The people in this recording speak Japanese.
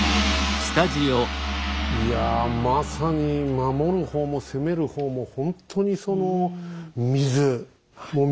いやまさに守る方も攻める方もほんとにその水。